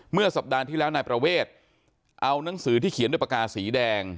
สัปดาห์ที่แล้วนายประเวทเอานังสือที่เขียนด้วยปากกาสีแดง